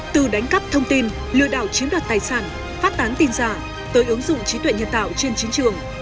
từ đánh cắp thông tin lừa đảo chiếm đoạt tài sản phát tán tin giả tới ứng dụng trí tuệ nhân tạo trên chiến trường